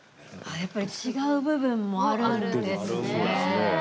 やっぱり違う部分もあるんですね。